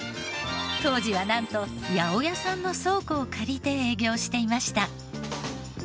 当時はなんと八百屋さんの倉庫を借りて営業していました。